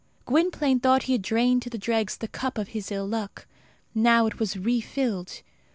Gwynplaine thought he had drained to the dregs the cup of his ill luck. Now it was refilled.